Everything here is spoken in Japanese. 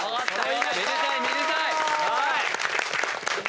めでたいめでたい！